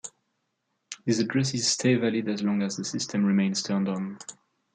These addresses stay valid as long as the system remains turned on.